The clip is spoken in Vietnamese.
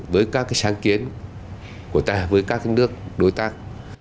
với các sáng kiến của ta với các nước đối tác